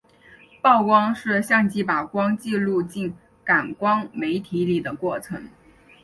曝光是相机把光记录进感光媒体里的过程。